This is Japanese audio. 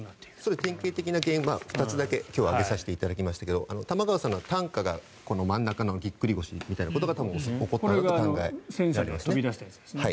典型的な原因２つだけ、今日は挙げさせていただきましたが玉川さんの担架は真ん中のぎっくり腰みたいなことが起こったと考えられますね。